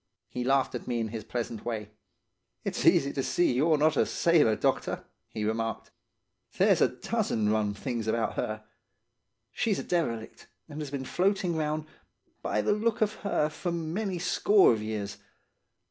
"He laughed at me in his pleasant way. "'It's easy to see you're not a sailor, doctor,' he remarked. 'There's a dozen rum things about her. She's a derelict, and has been floating round, by the look of her, for many a score of years.